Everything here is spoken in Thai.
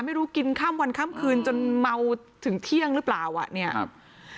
ไม่รู้กินข้ามวันข้ามคืนจนมาถึงเที่ยงหรือเปล่าอ่ะเนี่ยครับ